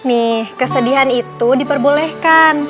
nih kesedihan itu diperbolehkan